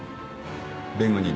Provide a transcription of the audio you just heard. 弁護人。